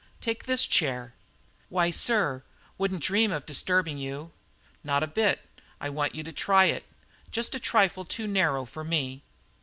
"Take this chair." "Why, sir, wouldn't dream of disturbing you." "Not a bit. I want you to try it; just a trifle too narrow for me."